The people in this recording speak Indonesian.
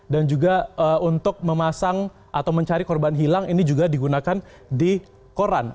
dan juga untuk memasang atau mencari korban hilang ini juga digunakan di koran